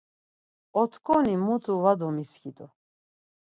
Otkoni mutu va domiskidu.